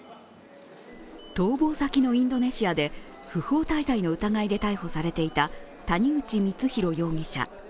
逃亡先のインドネシアで不法滞在の疑いで逮捕されていた谷口光弘容疑者。